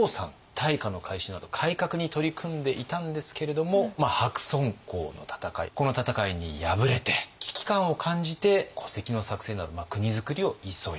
大化の改新など改革に取り組んでいたんですけれども白村江の戦いこの戦いに敗れて危機感を感じて戸籍の作成など国づくりを急いだ。